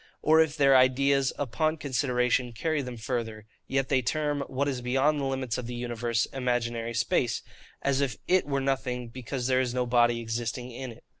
Or if their ideas, upon consideration, carry them further, yet they term what is beyond the limits of the universe, imaginary space: as if IT were nothing, because there is no body existing in it.